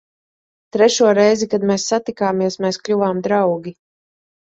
Trešo reizi, kad mēs satikāmies, mēs kļuvām draugi.